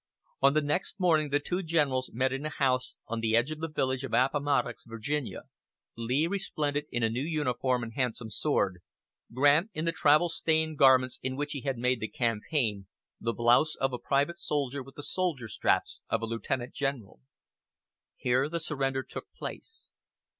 On the next morning the two generals met in a house on the edge of the village of Appomattox, Virginia, Lee resplendent in a new uniform and handsome sword, Grant in the travel stained garments in which he had made the campaign the blouse of a private soldier, with the shoulder straps of a Lieutenant General. Here the surrender took place.